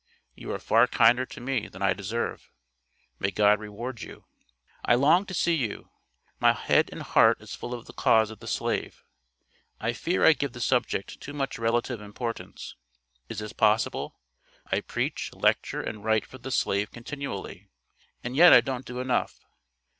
You are far kinder to me than I deserve. May God reward you. I long to see you. My head and heart is full of the cause of the slave. I fear I give the subject too much relative importance. Is this possible? I preach, lecture, and write for the slave continually. And yet I don't do enough.